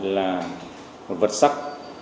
là một vật sắc